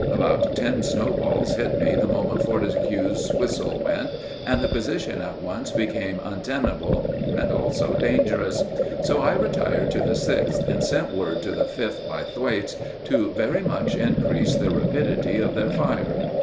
About ten snowballs hit me the moment Fortescue's whistle went, and the position at once became untenable and also dangerous. So I retired to the Sixth, and sent word to the Fifth by Thwaites to very much increase the rapidity of their fire.